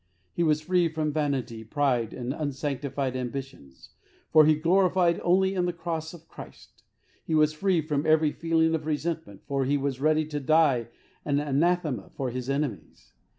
He was free from vanity, pride, and unsanctified ambitions, for he gloried only in the Cross of Christ. He was free from every feeling of resentment, for he was ready to die an anathema for his enemies.